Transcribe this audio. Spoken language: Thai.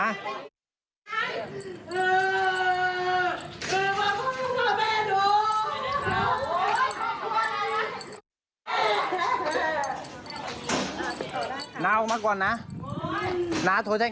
ไอ้แม่ได้เอาแม่ดูนะ